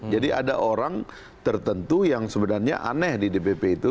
jadi ada orang tertentu yang sebenarnya aneh di dpp itu